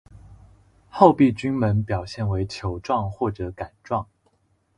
厚壁菌门表现为球状或者杆状。